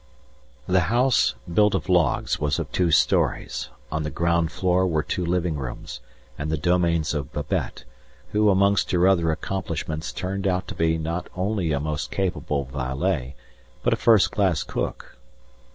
The house, built of logs, was of two stories; on the ground floor were two living rooms, and the domains of Babette, who amongst her other accomplishments turned out to be not only a most capable valet, but a first class cook.